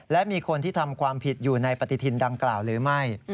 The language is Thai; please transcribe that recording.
และมีคนที่ทำความผิดอยู่ในปฏิทินดังกล่าวหรือไม่